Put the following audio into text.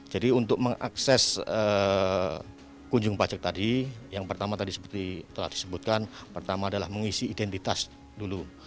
jadi untuk mengakses kunjung pajak tadi yang pertama tadi telah disebutkan pertama adalah mengisi identitas dulu